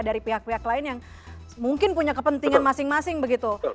dari pihak pihak lain yang mungkin punya kepentingan masing masing begitu